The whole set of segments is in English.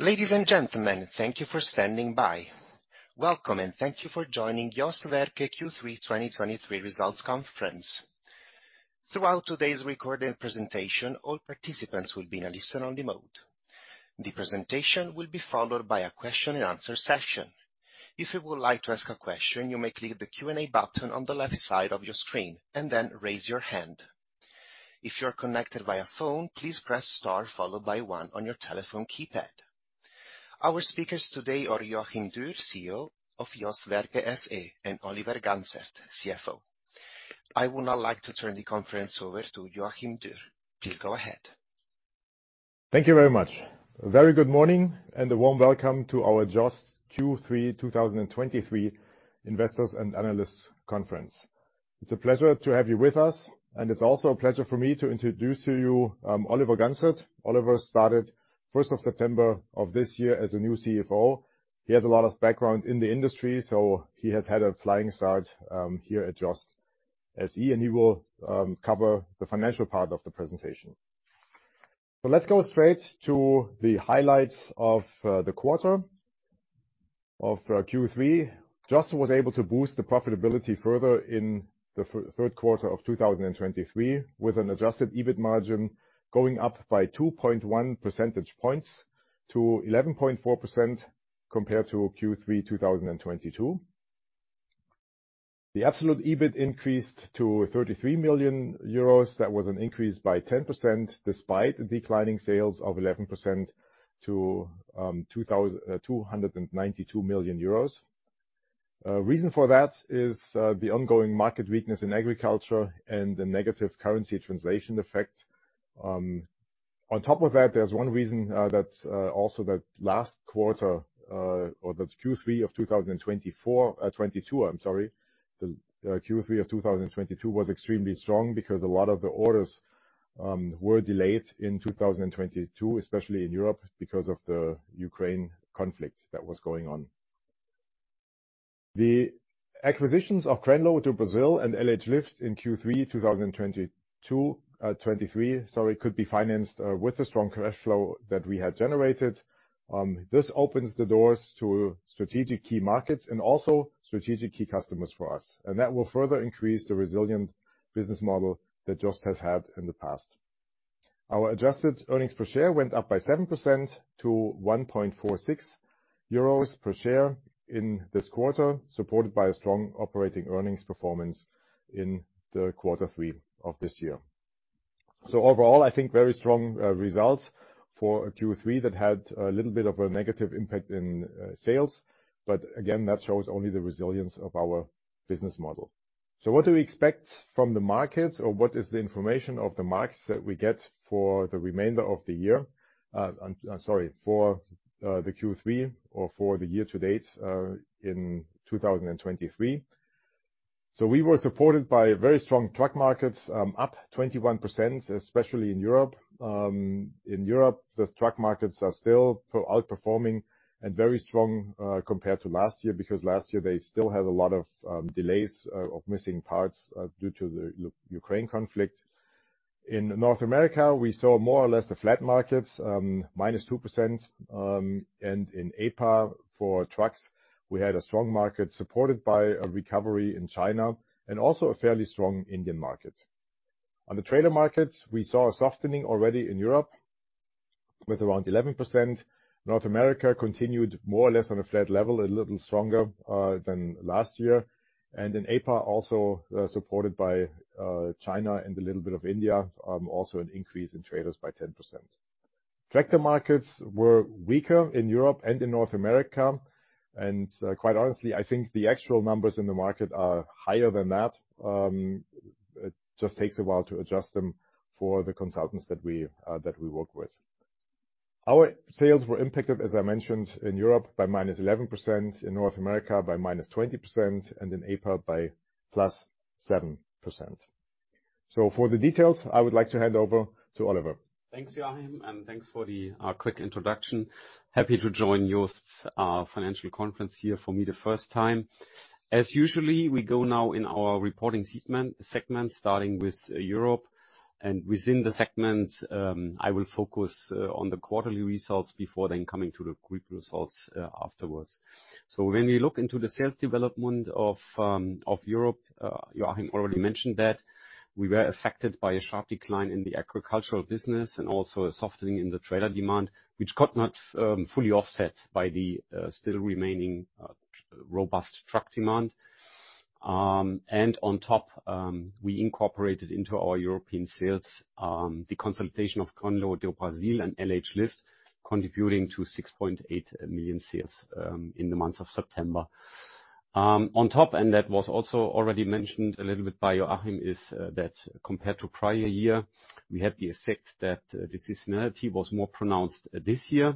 Ladies and gentlemen, thank you for standing by. Welcome, and thank you for joining JOST Werke Q3 2023 Results Conference. Throughout today's recorded presentation, all participants will be in a listen-only mode. The presentation will be followed by a question and answer session. If you would like to ask a question, you may click the Q&A button on the left side of your screen and then raise your hand. If you're connected via phone, please press star followed by one on your telephone keypad. Our speakers today are Joachim Dürr, CEO of JOST Werke SE, and Oliver Gantzert, CFO. I would now like to turn the conference over to Joachim Dürr. Please go ahead Thank you very much. A very good morning, and a warm welcome to our JOST Q3 2023 Investors and Analysts Conference. It's a pleasure to have you with us, and it's also a pleasure for me to introduce to you, Oliver Gantzert. Oliver started first of September of this year as a new CFO. He has a lot of background in the industry, so he has had a flying start, here at JOST Werke SE, and he will cover the financial part of the presentation. But let's go straight to the highlights of, the quarter of, Q3. JOST was able to boost the profitability further in the third quarter of 2023, with an Adjusted EBIT margin going up by 2.1 percentage points to 11.4% compared to Q3 2022. The absolute EBIT increased to 33 million euros. That was an increase by 10%, despite declining sales of 11% to 2,292 million euros. Reason for that is the ongoing market weakness in agriculture and the negative currency translation effect. On top of that, there's one reason that also that last quarter, or the Q3 of 2024, '22, I'm sorry. The Q3 of 2022 was extremely strong because a lot of the orders were delayed in 2022, especially in Europe, because of the Ukraine conflict that was going on. The acquisitions of Crenlo do Brasil and LH Lift in Q3, 2022, 2023, sorry, could be financed with the strong cash flow that we had generated. This opens the doors to strategic key markets and also strategic key customers for us, and that will further increase the resilient business model that JOST has had in the past. Our adjusted earnings per share went up by 7% to 1.46 euros per share in this quarter, supported by a strong operating earnings performance in quarter three of this year. So overall, I think very strong results for Q3 that had a little bit of a negative impact in sales, but again, that shows only the resilience of our business model. So what do we expect from the markets, or what is the information of the markets that we get for the remainder of the year? I'm sorry, for the Q3 or for the year to date in 2023. So we were supported by very strong truck markets, up 21%, especially in Europe. In Europe, the truck markets are still outperforming and very strong, compared to last year, because last year they still had a lot of delays of missing parts due to the Ukraine conflict. In North America, we saw more or less the flat markets, minus 2%, and in APA for trucks, we had a strong market supported by a recovery in China and also a fairly strong Indian market. On the trailer markets, we saw a softening already in Europe with around 11%. North America continued more or less on a flat level, a little stronger than last year, and in APA, also supported by China and a little bit of India, also an increase in trailers by 10%. Tractor markets were weaker in Europe and in North America, and quite honestly, I think the actual numbers in the market are higher than that. It just takes a while to adjust them for the consultants that we, that we work with. Our sales were impacted, as I mentioned, in Europe, by -11%, in North America by -20%, and in APA by +7%. So for the details, I would like to hand over to Oliver. Thanks, Joachim, and thanks for the quick introduction. Happy to join your financial conference here for me the first time. As usual, we go now in our reporting segment, starting with Europe, and within the segments, I will focus on the quarterly results before then coming to the group results afterwards. So when we look into the sales development of Europe, Joachim already mentioned that we were affected by a sharp decline in the agricultural business and also a softening in the trailer demand, which got not fully offset by the still remaining robust truck demand. And on top, we incorporated into our European sales the consolidation of Crenlo do Brasil and LH Lift, contributing to 6.8 million sales in the month of September. On top, and that was also already mentioned a little bit by Joachim, is that compared to prior year, we had the effect that the seasonality was more pronounced this year,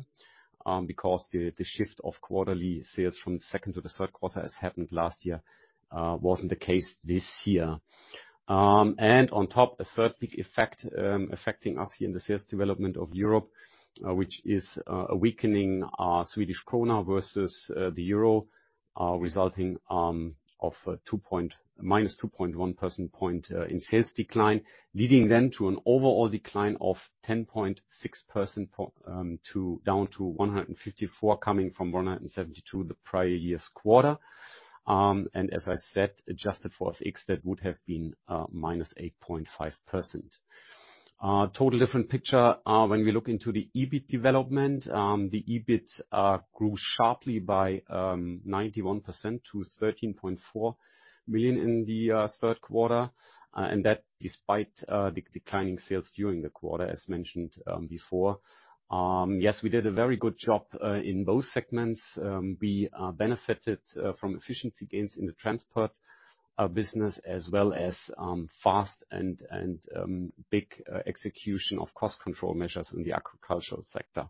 because the shift of quarterly sales from the second to the third quarter, as happened last year, wasn't the case this year. And on top, a third big effect, affecting us here in the sales development of Europe, which is a weakening Swedish krona versus the euro, resulting in a minus 2.1 percentage point in sales decline, leading then to an overall decline of 10.6%, down to 154, coming from 172 the prior year's quarter. And as I said, adjusted for FX, that would have been -8.5%. Total different picture when we look into the EBIT development. The EBIT grew sharply by 91% to 13.4 million in the third quarter, and that despite the declining sales during the quarter, as mentioned before. Yes, we did a very good job in both segments. We benefited from efficiency gains in the transport business, as well as fast and big execution of cost control measures in the agricultural sector.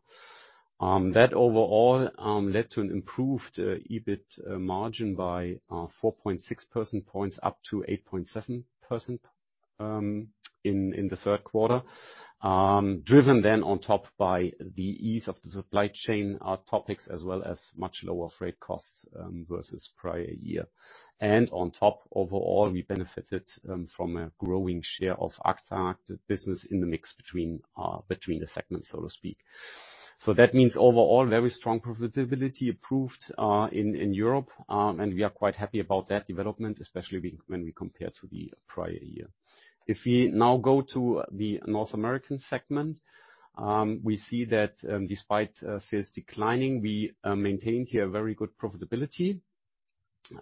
That overall led to an improved EBIT margin by 4.6 percentage points up to 8.7% in the third quarter. Driven then on top by the ease of the supply chain, topics, as well as much lower freight costs, versus prior year. And on top, overall, we benefited, from a growing share of aftermarket business in the mix between, between the segments, so to speak. So that means overall, very strong profitability improved, in, in Europe, and we are quite happy about that development, especially when we compare to the prior year. If we now go to the North American segment, we see that, despite, sales declining, we, maintained here very good profitability.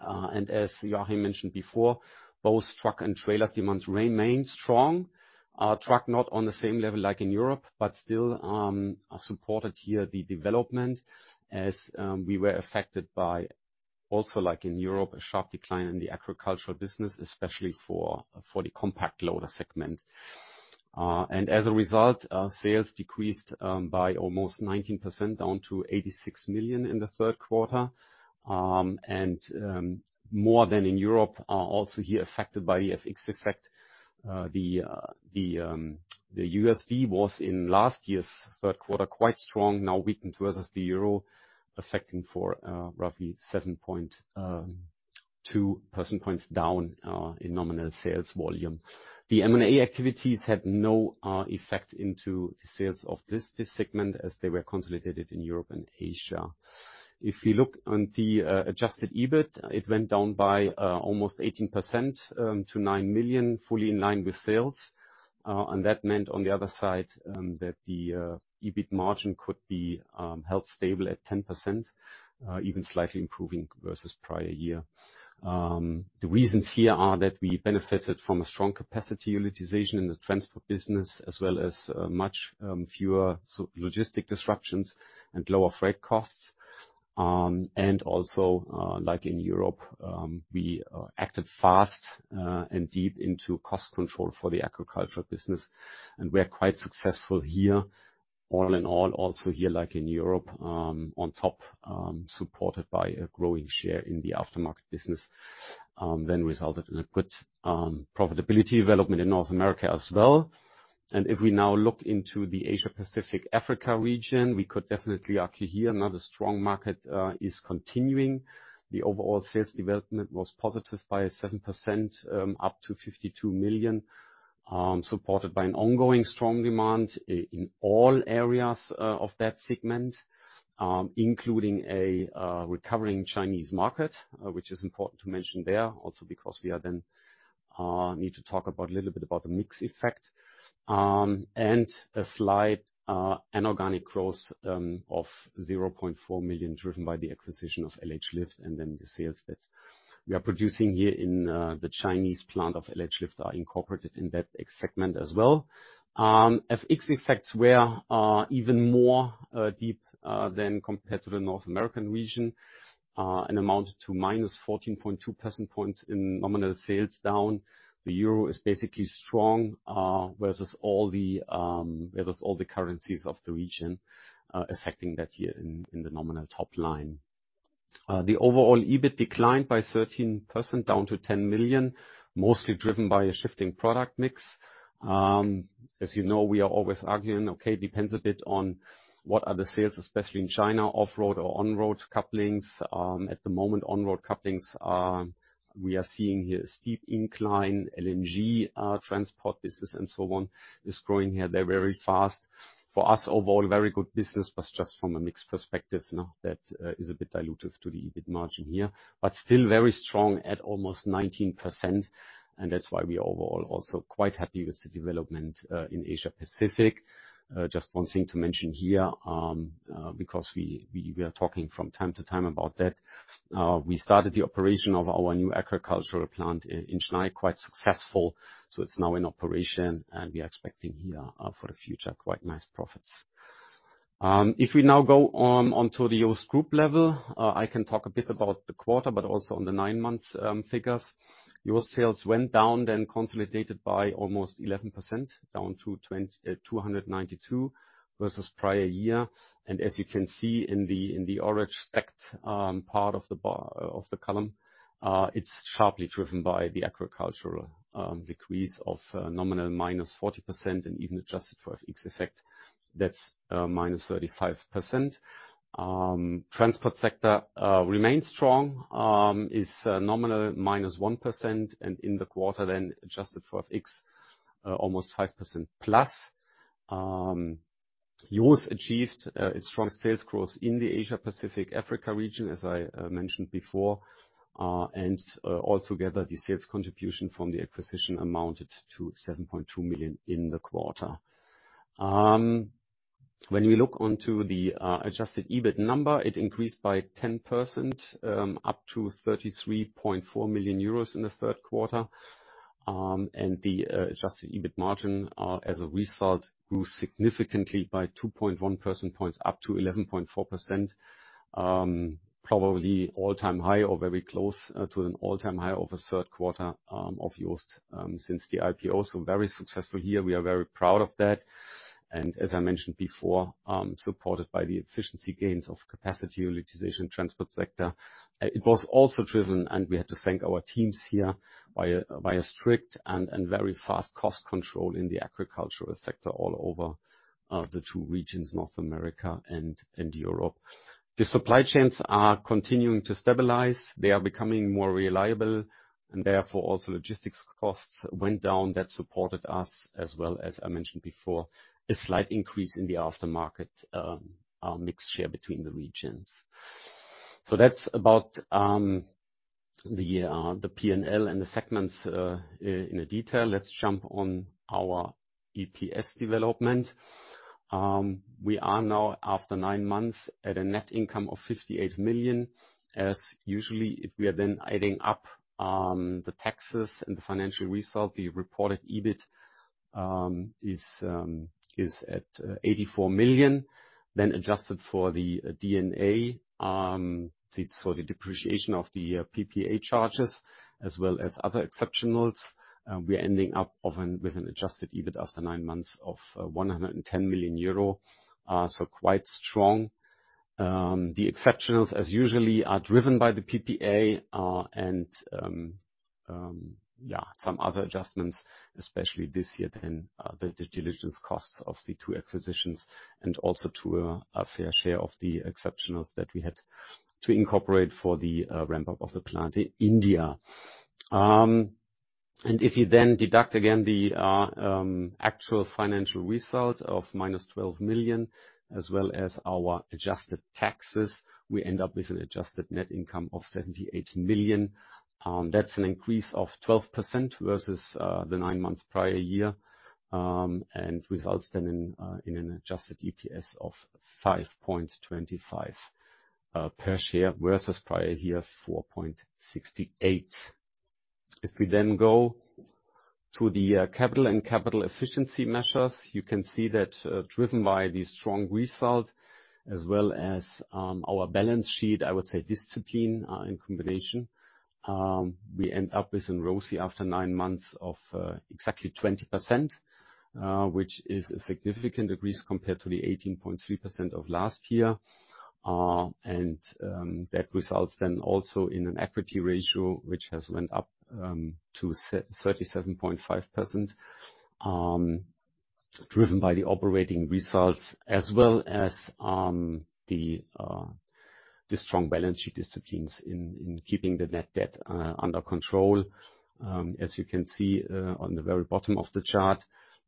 And as Joachim mentioned before, both truck and trailers demand remains strong. Truck, not on the same level like in Europe, but still, supported here the development as, we were affected by, also, like in Europe, a sharp decline in the agricultural business, especially for the compact loader segment. And as a result, sales decreased by almost 19%, down to 86 million in the third quarter. And, more than in Europe, are also here affected by the FX effect. The USD was, in last year's third quarter, quite strong, now weakened versus the euro, affecting for, roughly 7.2 percentage points down, in nominal sales volume. The M&A activities had no effect into the sales of this segment, as they were consolidated in Europe and Asia. If you look on the adjusted EBIT, it went down by almost 18%, to 9 million, fully in line with sales. And that meant, on the other side, that the EBIT margin could be held stable at 10%, even slightly improving versus prior year. The reasons here are that we benefited from a strong capacity utilization in the transport business, as well as much fewer logistic disruptions and lower freight costs. And also, like in Europe, we acted fast and deep into cost control for the agricultural business, and we are quite successful here. All in all, also here, like in Europe, on top, supported by a growing share in the aftermarket business, then resulted in a good profitability development in North America as well. If we now look into the Asia Pacific Africa region, we could definitely argue here another strong market is continuing. The overall sales development was positive by 7%, up to 52 million, supported by an ongoing strong demand in all areas of that segment, including a recovering Chinese market, which is important to mention there, also because we are then need to talk about a little bit about the mix effect. And a slight inorganic growth of 0.4 million, driven by the acquisition of LH Lift, and then the sales that we are producing here in the Chinese plant of LH Lift are incorporated in that segment as well. FX effects were even more deep than compared to the North American region, and amounted to -14.2 percentage points in nominal sales down. The euro is basically strong versus all the currencies of the region, affecting that year in the nominal top line. The overall EBIT declined by 13%, down to 10 million, mostly driven by a shifting product mix. As you know, we are always arguing, okay, depends a bit on what are the sales, especially in China, off-road or on-road couplings. At the moment, on-road couplings are, we are seeing here a steep incline, LNG, transport business, and so on, is growing here. They're very fast. For us, overall, very good business, but just from a mix perspective, now, that is a bit dilutive to the EBIT margin here, but still very strong at almost 19%, and that's why we are overall also quite happy with the development in Asia Pacific. Just one thing to mention here, because we are talking from time to time about that. We started the operation of our new agricultural plant in China, quite successful. So it's now in operation, and we are expecting here, for the future, quite nice profits. If we now go on, onto the JOST group level, I can talk a bit about the quarter, but also on the nine months figures. JOST sales went down, then consolidated by almost 11%, down to 292 versus prior year. And as you can see in the orange stacked part of the bar, of the column, it's sharply driven by the agricultural decrease of nominal -40% and even adjusted for FX effect, that's -35%. Transport sector remains strong, is nominal -1%, and in the quarter then, adjusted for FX, almost +5%. JOST achieved its strong sales growth in the Asia Pacific, Africa region, as I mentioned before. And altogether, the sales contribution from the acquisition amounted to 7.2 million in the quarter. When we look onto the adjusted EBIT number, it increased by 10%, up to 33.4 million euros in the third quarter. And the adjusted EBIT margin, as a result, grew significantly by 2.1 percentage points up to 11.4%. Probably all-time high or very close to an all-time high of a third quarter of JOST since the IPO. So very successful year. We are very proud of that, and as I mentioned before, supported by the efficiency gains of capacity utilization transport sector. It was also driven, and we have to thank our teams here, by a strict and very fast cost control in the agricultural sector all over the two regions, North America and Europe. The supply chains are continuing to stabilize. They are becoming more reliable, and therefore, also logistics costs went down. That supported us as well as, I mentioned before, a slight increase in the aftermarket, mix share between the regions. So that's about the P&L and the segments in the detail. Let's jump on our EPS development. We are now, after nine months, at a net income of 58 million. As usual, if we are then adding up the taxes and the financial result, the reported EBIT is at 84 million, then adjusted for the D&A, so the depreciation of the PPA charges as well as other exceptionals, we are ending up often with an adjusted EBIT after nine months of 110 million euro. So quite strong. The exceptionals, as usually, are driven by the PPA, and some other adjustments, especially this year than the due diligence costs of the two acquisitions, and also a fair share of the exceptionals that we had to incorporate for the ramp-up of the plant in India. And if you then deduct again the actual financial result of -12 million, as well as our adjusted taxes, we end up with an adjusted net income of 78 million. That's an increase of 12% versus the nine months prior year, and results then in an adjusted EPS of 5.25 per share, versus prior year, 4.68. If we then go to the capital and capital efficiency measures, you can see that, driven by the strong result as well as, our balance sheet, I would say, discipline, in combination, we end up with an ROCE after nine months of, exactly 20%, which is a significant increase compared to the 18.3% of last year. And, that results then also in an equity ratio, which has went up, to thirty-seven point five percent, driven by the operating results as well as, the, the strong balance sheet disciplines in, keeping the net debt, under control. As you can see, on the very bottom of the chart,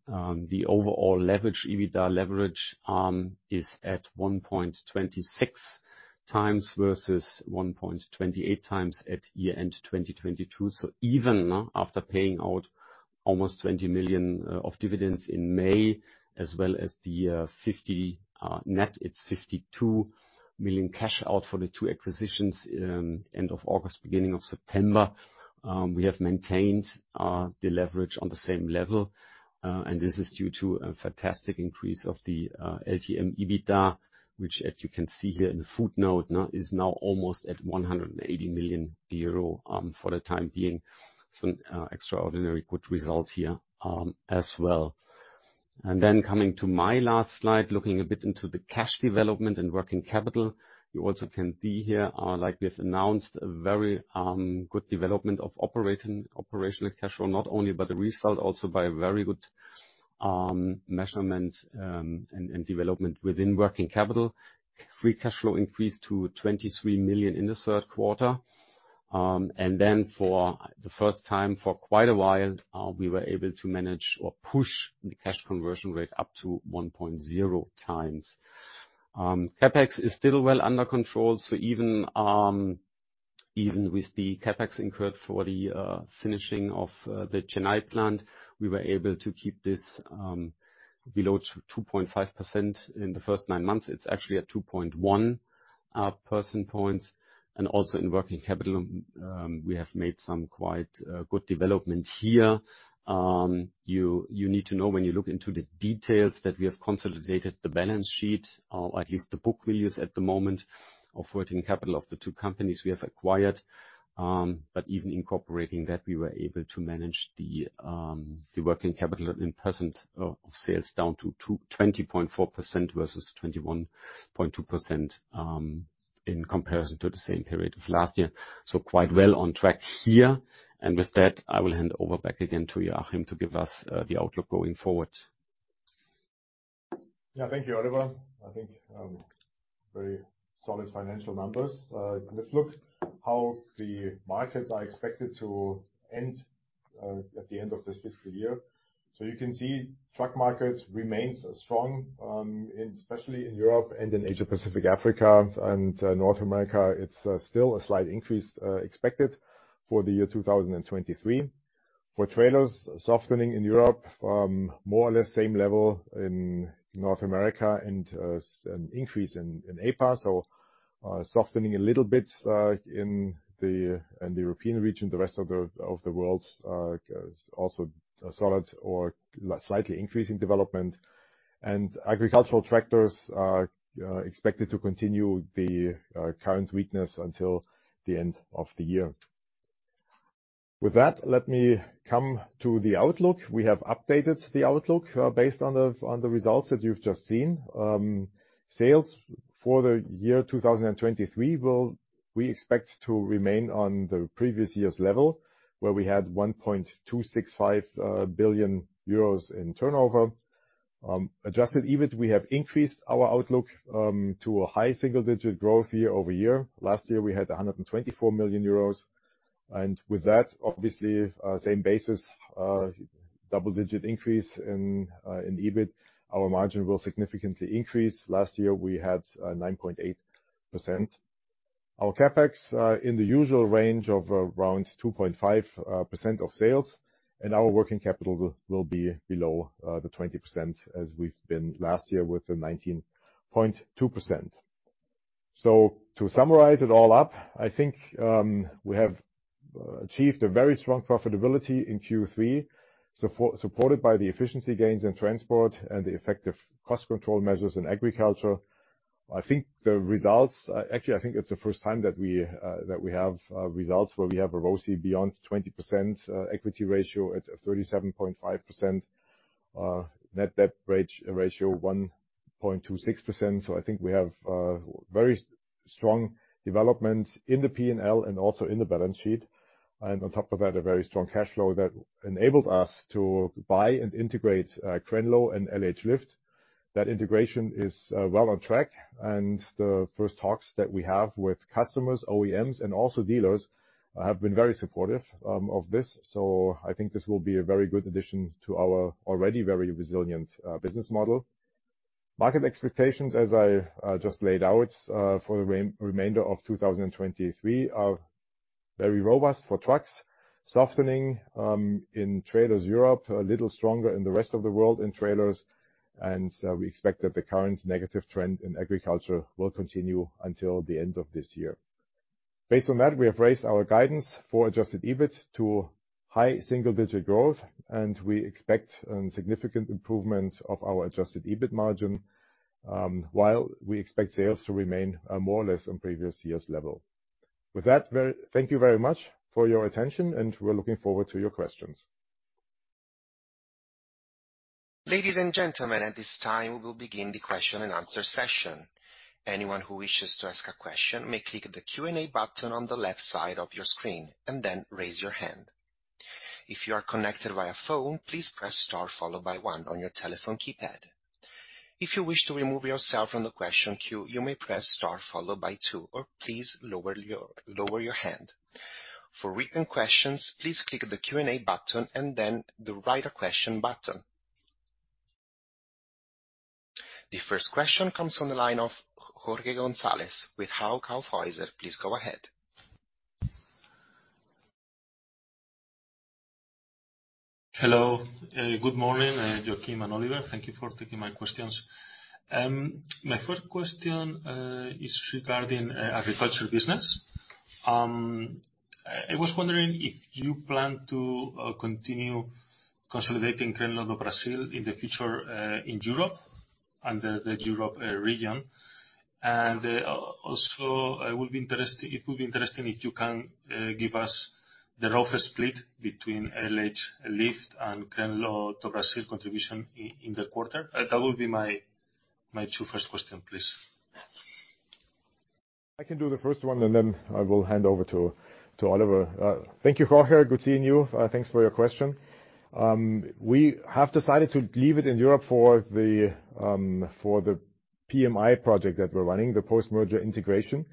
the overall leverage, EBITDA leverage, is at 1.26x versus 1.28x at year-end 2022. So even after paying out almost 20 million of dividends in May, as well as the 50 net, it's 52 million cash out for the two acquisitions end of August, beginning of September, we have maintained the leverage on the same level, and this is due to a fantastic increase of the LTM EBITDA, which, as you can see here in the footnote, now is almost at 180 million euro for the time being. So, extraordinary good results here, as well. And then coming to my last slide, looking a bit into the cash development and working capital. You also can see here, like we have announced, a very good development of operating, operational cash flow, not only by the result, also by a very good measurement and development within working capital. Free cash flow increased to 23 million in the third quarter. And then for the first time, for quite a while, we were able to manage or push the cash conversion rate up to 1.0x. CapEx is still well under control, so even with the CapEx incurred for the finishing of the Chennai plant, we were able to keep this below 2.5% in the first nine months. It's actually at 2.1 percentage points. And also in working capital, we have made some quite good development here. You need to know, when you look into the details, that we have consolidated the balance sheet, at least the book we use at the moment, of working capital of the two companies we have acquired. But even incorporating that, we were able to manage the working capital in percent of sales down to 20.4% versus 21.2% in comparison to the same period of last year, so quite well on track here. And with that, I will hand over back again to Joachim to give us the outlook going forward. Yeah, thank you, Oliver. I think very solid financial numbers. Let's look how the markets are expected to end at the end of this fiscal year. So you can see truck markets remains strong in especially in Europe and in Asia Pacific, Africa, and North America. It's still a slight increase expected for the year 2023. For trailers, softening in Europe, more or less same level in North America, and an increase in APA. So, softening a little bit in the European region. The rest of the world is also a solid or slightly increasing development. And agricultural tractors are expected to continue the current weakness until the end of the year. With that, let me come to the outlook. We have updated the outlook based on the results that you've just seen. Sales for the year 2023 will we expect to remain on the previous year's level, where we had 1.265 billion euros in turnover. Adjusted EBIT, we have increased our outlook to a high single-digit growth year-over-year. Last year, we had 124 million euros, and with that, obviously same basis, double-digit increase in EBIT. Our margin will significantly increase. Last year, we had 9.8%. Our CapEx in the usual range of around 2.5% of sales, and our working capital will be below the 20%, as we've been last year with the 19.2%. So to summarize it all up, I think we have achieved a very strong profitability in Q3, supported by the efficiency gains in transport and the effective cost control measures in agriculture. I think the results. Actually, I think it's the first time that we have results where we have a ROCE beyond 20%, equity ratio at 37.5%, net debt ratio 1.26%. So I think we have very strong developments in the P&L and also in the balance sheet. And on top of that, a very strong cash flow that enabled us to buy and integrate Crenlo and LH Lift. That integration is well on track, and the first talks that we have with customers, OEMs, and also dealers, have been very supportive of this. So I think this will be a very good addition to our already very resilient business model. Market expectations, as I just laid out, for the remainder of 2023, are very robust for trucks. Softening in trailers, Europe, a little stronger in the rest of the world in trailers, and we expect that the current negative trend in agriculture will continue until the end of this year. Based on that, we have raised our guidance for adjusted EBIT to high single-digit growth, and we expect a significant improvement of our adjusted EBIT margin, while we expect sales to remain more or less on previous year's level. With that, thank you very much for your attention, and we're looking forward to your questions. Ladies and gentlemen, at this time, we will begin the question-and-answer session. Anyone who wishes to ask a question may click the Q&A button on the left side of your screen and then raise your hand. If you are connected via phone, please press star followed by one on your telephone keypad. If you wish to remove yourself from the question queue, you may press star followed by two or please lower your hand. For written questions, please click the Q&A button and then the Write a Question button. The first question comes from the line of Jorge González with Hauck Aufhäuser. Please go ahead. Hello. Good morning, Joachim and Oliver. Thank you for taking my questions. My first question is regarding agriculture business. I was wondering if you plan to continue consolidating Crenlo do Brasil in the future, in Europe, under the Europe region. And also, I would be interested—it would be interesting if you can give us the rough split between LH Lift and Crenlo do Brasil contribution in the quarter. That will be my two first question, please. I can do the first one, and then I will hand over to Oliver. Thank you, Jorge. Good seeing you. Thanks for your question. We have decided to leave it in Europe for the PMI project that we're running, the post-merger integration,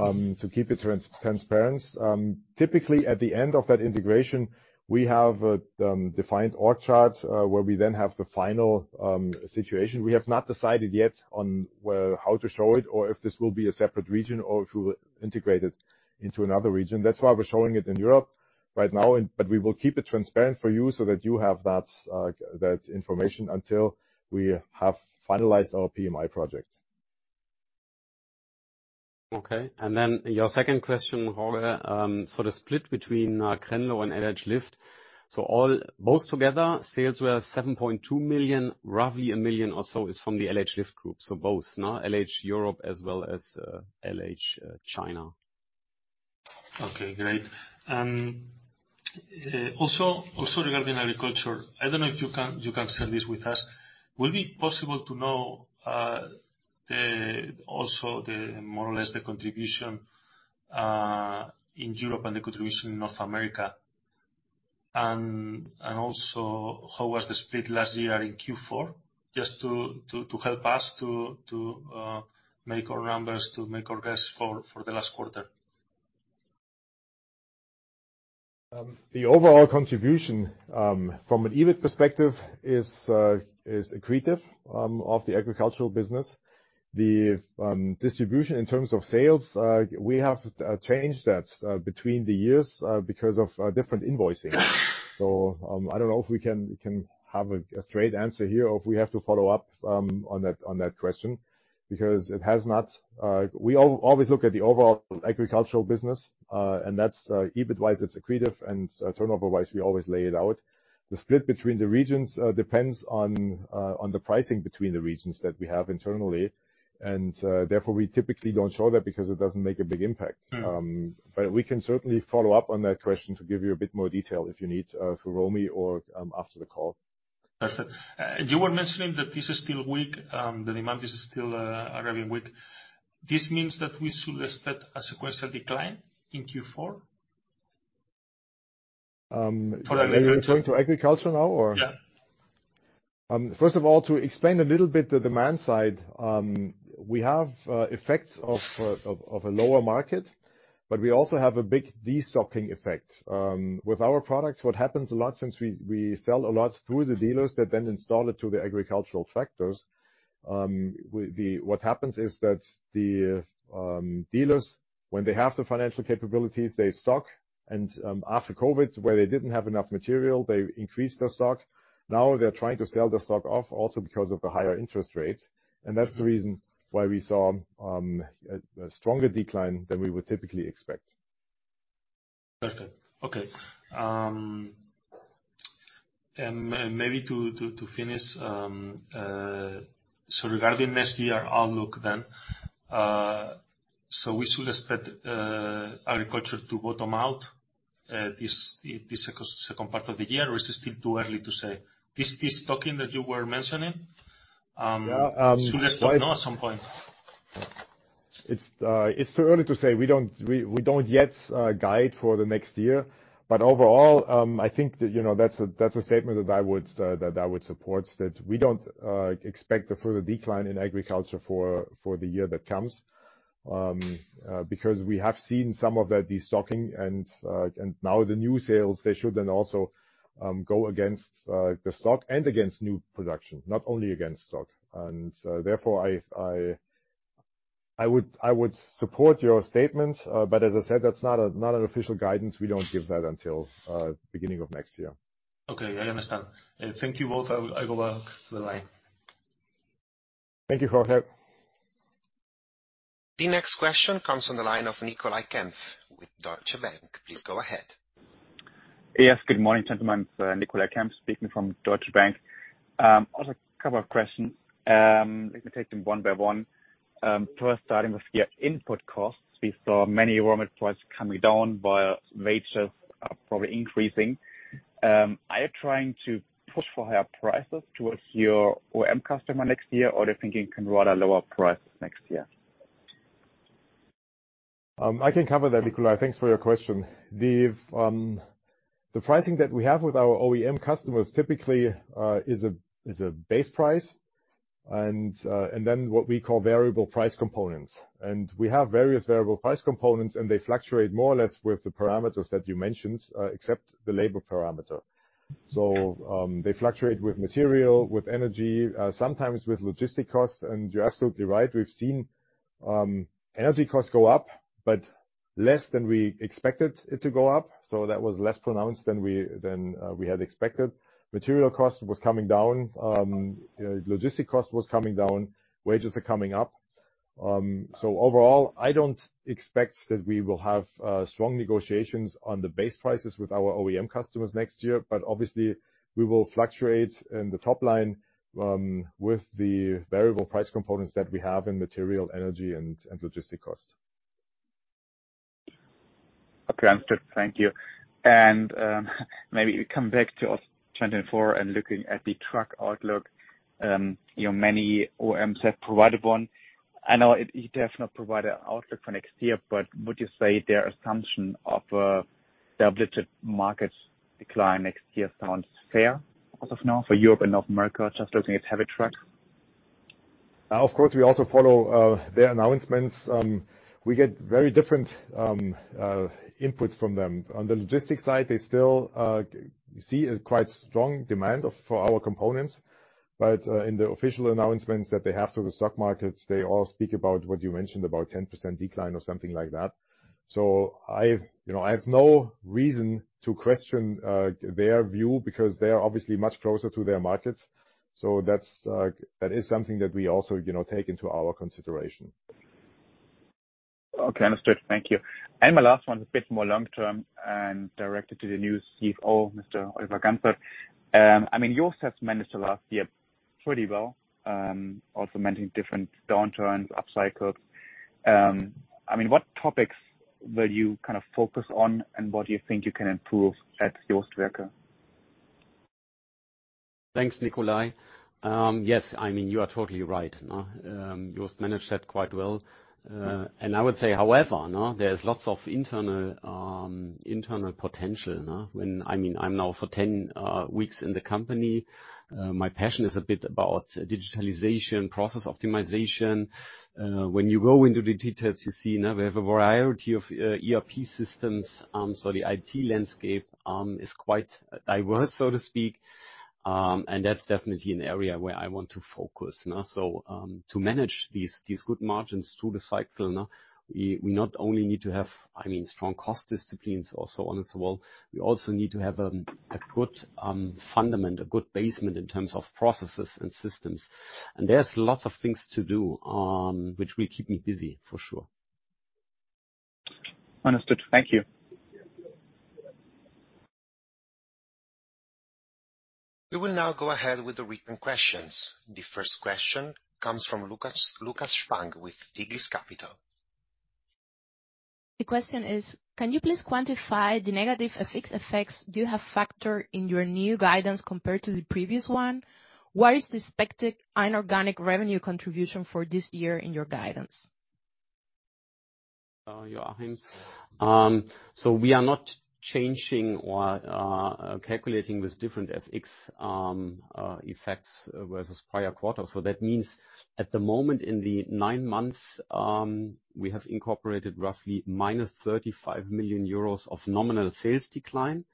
to keep it transparent. Typically, at the end of that integration, we have defined org charts, where we then have the final situation. We have not decided yet on how to show it or if this will be a separate region or if we will integrate it into another region. That's why we're showing it in Europe right now, but we will keep it transparent for you so that you have that information until we have finalized our PMI project. Okay, and then your second question, Jorge, so the split between Crenlo and LH Lift. So all, both together, sales were 7.2 million. Roughly 1 million or so is from the LH Lift group. So both, no, LH Europe as well as LH China.... Okay, great. Also regarding agriculture, I don't know if you can share this with us. Will it be possible to know also the more or less the contribution in Europe and the contribution in North America? And also, how was the split last year in Q4? Just to help us to make our numbers, to make our guess for the last quarter. The overall contribution from an EBIT perspective is accretive of the agricultural business. The distribution in terms of sales we have changed that between the years because of different invoicing. So, I don't know if we can we can have a a straight answer here or if we have to follow up on that on that question, because it has not... We always look at the overall agricultural business, and that's EBIT wise, it's accretive, and turnover wise, we always lay it out. The split between the regions depends on on the pricing between the regions that we have internally, and therefore, we typically don't show that because it doesn't make a big impact. Mm. But we can certainly follow up on that question to give you a bit more detail if you need, through Romy or after the call. Perfect. You were mentioning that this is still weak, the demand is still arriving weak. This means that we should expect a sequential decline in Q4? Are you referring to agriculture now, or? Yeah. First of all, to explain a little bit the demand side, we have effects of a lower market, but we also have a big destocking effect. With our products, what happens a lot, since we sell a lot through the dealers that then install it to the agricultural tractors, what happens is that the dealers, when they have the financial capabilities, they stock, and after COVID, where they didn't have enough material, they increased their stock. Now they're trying to sell the stock off also because of the higher interest rates, and that's the reason why we saw a stronger decline than we would typically expect. Perfect. Okay. And maybe to finish, so regarding next year outlook then, so we still expect agriculture to bottom out this second part of the year, or is it still too early to say? This stocking that you were mentioning. Yeah, um- Should they stock now at some point? It's too early to say. We don't yet guide for the next year. But overall, I think that, you know, that's a statement that I would support, that we don't expect a further decline in agriculture for the year that comes. Because we have seen some of that destocking and now the new sales, they should then also go against the stock and against new production, not only against stock. And therefore, I would support your statement, but as I said, that's not an official guidance. We don't give that until beginning of next year. Okay, I understand. Thank you both. I will go back to the line. Thank you, Jorge. The next question comes from the line of Nicolai Kempf with Deutsche Bank. Please go ahead. Yes, good morning, gentlemen. Nicolai Kempf speaking from Deutsche Bank. Also a couple of questions. Let me take them one by one. First, starting with your input costs. We saw many raw material prices coming down, but wages are probably increasing. Are you trying to push for higher prices towards your OEM customer next year, or are you thinking you can rather lower price next year? I can cover that, Nicolai. Thanks for your question. The pricing that we have with our OEM customers typically is a base price, and then what we call variable price components. And we have various variable price components, and they fluctuate more or less with the parameters that you mentioned, except the labor parameter. So, they fluctuate with material, with energy, sometimes with logistic costs, and you're absolutely right, we've seen energy costs go up, but less than we expected it to go up, so that was less pronounced than we had expected. Material cost was coming down. Logistic cost was coming down. Wages are coming up. Overall, I don't expect that we will have strong negotiations on the base prices with our OEM customers next year, but obviously, we will fluctuate in the top line with the variable price components that we have in material, energy, and logistic cost. Okay, understood. Thank you. And maybe come back to us 2024 and looking at the truck outlook, you know, many OEMs have provided one. I know it, you did not provide an outlook for next year, but would you say their assumption of double-digit markets decline next year sounds fair as of now for Europe and North America, just looking at heavy trucks? Of course, we also follow their announcements. We get very different inputs from them. On the logistics side, they still see a quite strong demand for our components, but in the official announcements that they have for the stock markets, they all speak about what you mentioned, about 10% decline or something like that. So, you know, I have no reason to question their view, because they are obviously much closer to their markets. So that is something that we also, you know, take into our consideration. Okay, understood. Thank you. And my last one is a bit more long-term and directed to the new CFO, Mr. Oliver Gantzert. I mean, you also have managed the last year pretty well, also managing different downturns, upcycles. I mean, what topics will you kind of focus on, and what do you think you can improve at JOST Werke? Thanks, Nicolai. Yes, I mean, you are totally right, no? You managed that quite well. And I would say, however, no, there's lots of internal internal potential, no? I mean, I'm now for 10 weeks in the company. My passion is a bit about digitalization, process optimization. When you go into the details, you see now we have a variety of ERP systems. So the IT landscape is quite diverse, so to speak. And that's definitely an area where I want to focus, no? So to manage these these good margins through the cycle, no, we we not only need to have, I mean, strong cost disciplines and so on and so on, we also need to have a good fundament, a good basement in terms of processes and systems. There's lots of things to do, which will keep me busy for sure. Understood. Thank you. We will now go ahead with the written questions. The first question comes from Lucas, Lukas Frank with IGLIS Capital [Helikon Investments]. The question is, can you please quantify the negative FX effects you have factored in your new guidance compared to the previous one? What is the expected inorganic revenue contribution for this year in your guidance? [inuadible]. So we are not changing or calculating with different FX effects versus prior quarter. So that means at the moment, in the nine months, we have incorporated roughly -35 million euros of nominal sales decline,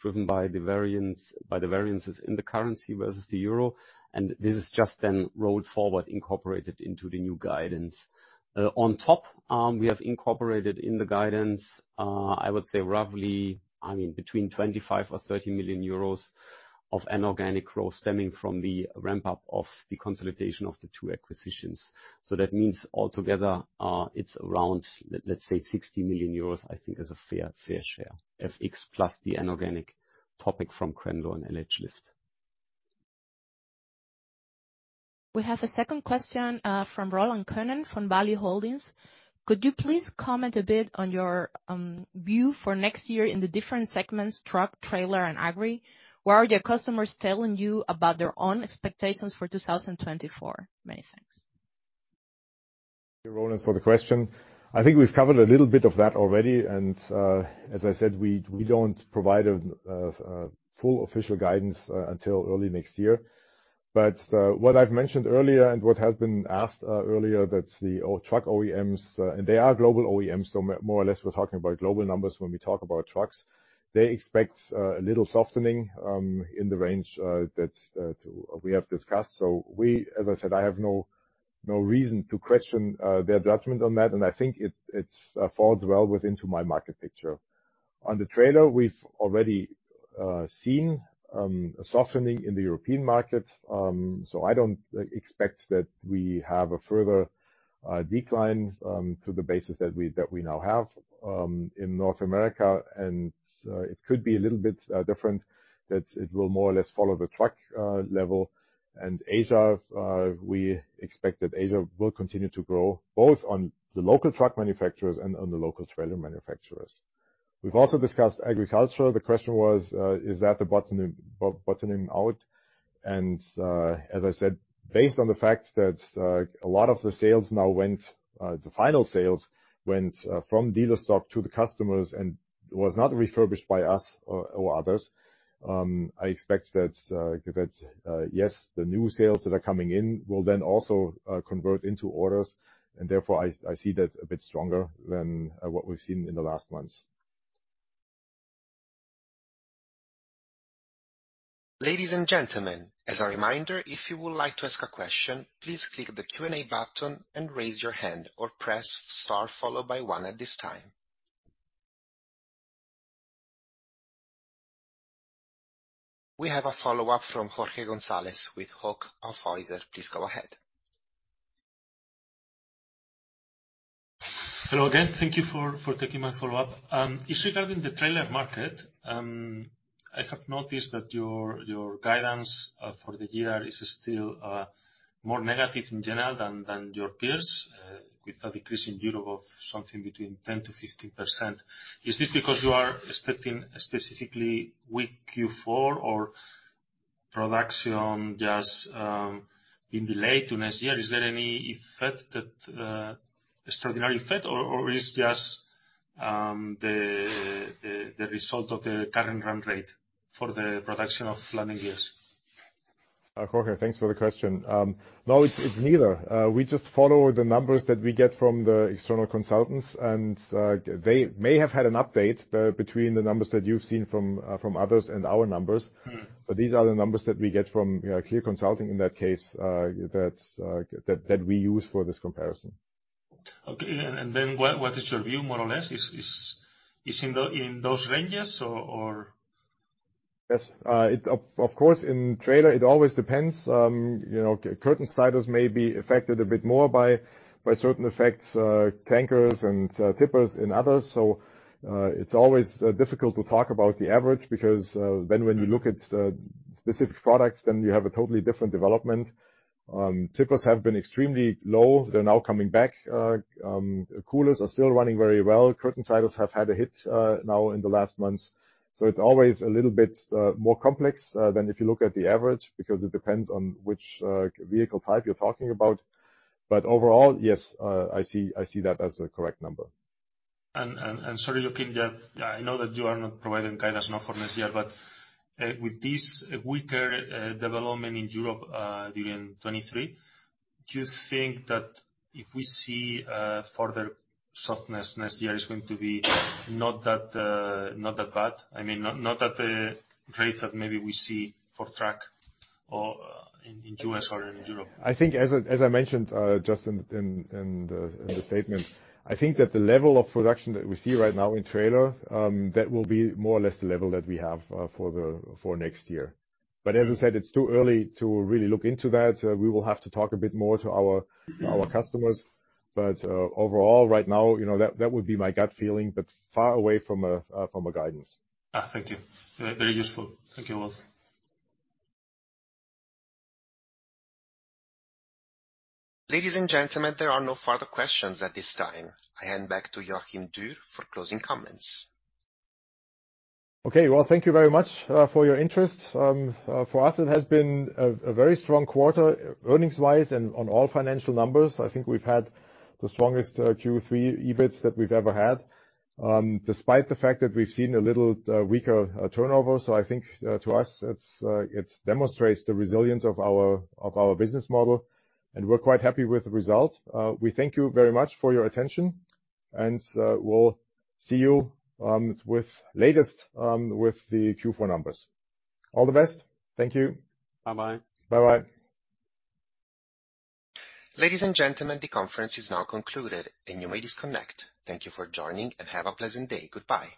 driven by the variance, by the variances in the currency versus the euro, and this is just then rolled forward, incorporated into the new guidance. On top, we have incorporated in the guidance, I would say roughly, I mean, between 25 million or 30 million euros of inorganic growth stemming from the ramp-up of the consolidation of the two acquisitions. So that means altogether, it's around, let's say, 60 million euros, I think is a fair, fair share. FX plus the inorganic topic from Crenlo and LH Lift. We have a second question from Roland Konen, from Value Holdings. Could you please comment a bit on your view for next year in the different segments, truck, trailer, and agri? What are your customers telling you about their own expectations for 2024? Many thanks. Thank you, Roland, for the question. I think we've covered a little bit of that already, and as I said, we don't provide a full official guidance until early next year. But what I've mentioned earlier and what has been asked earlier, that the truck OEMs, and they are global OEMs, so more or less, we're talking about global numbers when we talk about trucks. They expect a little softening in the range that we have discussed. So as I said, I have no reason to question their judgment on that, and I think it falls well within my market picture. On the trailer, we've already seen a softening in the European market, so I don't expect that we have a further decline to the basis that we now have in North America. It could be a little bit different, that it will more or less follow the truck level. Asia, we expect that Asia will continue to grow, both on the local truck manufacturers and on the local trailer manufacturers. We've also discussed agriculture. The question was, is that the bottoming out? As I said, based on the fact that a lot of the sales now went, the final sales went from dealer stock to the customers and was not refurbished by us or others, I expect that yes, the new sales that are coming in will then also convert into orders, and therefore, I see that a bit stronger than what we've seen in the last months. Ladies and gentlemen, as a reminder, if you would like to ask a question, please click the Q&A button and raise your hand or press star followed by one at this time. We have a follow-up from Jorge González with Hauck Aufhäuser. Please go ahead. Hello again. Thank you for, for taking my follow-up. It's regarding the trailer market. I have noticed that your, your guidance for the year is still more negative in general than, than your peers with a decrease in Europe of something between 10%-15%. Is this because you are expecting specifically weak Q4 or production just in delay to next year? Is there any effect that extraordinary effect, or, or is just the result of the current run rate for the production of planning years? Jorge, thanks for the question. No, it's neither. We just follow the numbers that we get from the external consultants, and they may have had an update between the numbers that you've seen from others and our numbers. Mm. But these are the numbers that we get from Clear Consulting in that case, that we use for this comparison. Okay. And then what is your view more or less? Is it in those ranges, or? Yes. Of course, in trailer, it always depends. You know, curtainsiders may be affected a bit more by certain effects, tankers and tippers and others. So, it's always difficult to talk about the average because when you look at specific products, then you have a totally different development. Tippers have been extremely low. They're now coming back. Coolers are still running very well. Curtain-siders have had a hit now in the last months. So it's always a little bit more complex than if you look at the average, because it depends on which vehicle type you're talking about. But overall, yes, I see, I see that as a correct number. Sorry, Joachim, yeah, I know that you are not providing guidance now for next year, but with this weaker development in Europe during 2023, do you think that if we see further softness next year is going to be not that bad? I mean, not at the rates that maybe we see for truck or in U.S. or in Europe. I think as I mentioned, just in the statement, I think that the level of production that we see right now in trailer that will be more or less the level that we have for next year. But as I said, it's too early to really look into that. We will have to talk a bit more to our customers. But overall, right now, you know, that would be my gut feeling, but far away from a guidance. Ah, thank you. Very useful. Thank you, both. Ladies and gentlemen, there are no further questions at this time. I hand back to Joachim Dürr for closing comments. Okay, well, thank you very much for your interest. For us, it has been a very strong quarter, earnings-wise, and on all financial numbers. I think we've had the strongest Q3 EBITs that we've ever had, despite the fact that we've seen a little weaker turnover. So I think to us, it demonstrates the resilience of our business model, and we're quite happy with the result. We thank you very much for your attention, and we'll see you with the Q4 numbers. All the best. Thank you. Bye-bye. Bye-bye. Ladies and gentlemen, the conference is now concluded, and you may disconnect. Thank you for joining, and have a pleasant day. Goodbye.